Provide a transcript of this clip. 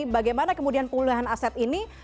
bagaimana kemudian pemulihan aset ini